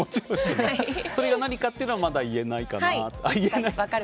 それが何かというのはまだ言えないですか。